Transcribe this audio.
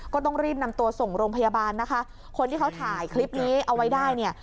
ก็ต้องรีบนำตัวส่งโรงพยาบาลนะคะคนที่เขาถ่ายคลิปนี้เอาไว้ได้เนี่ย